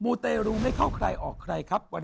ูเตรูไม่เข้าใครออกใครครับ